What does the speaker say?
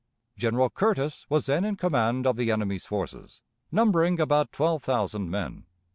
General Curtis was then in command of the enemy's forces, numbering about twelve thousand men.